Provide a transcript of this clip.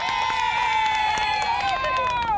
ช่วยดูช่วยดูช่วยดู